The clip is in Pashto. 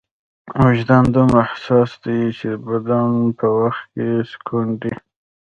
وجدان دومره حساس دی چې بدۍ په وخت کې سکونډي.